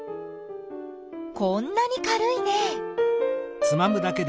こんなに軽いね。